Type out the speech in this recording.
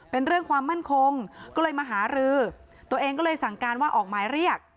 เป็นเรื่องความมั่นคงก็เลยมาหารือตัวเองก็เลยสั่งการว่าออกหมายเรียก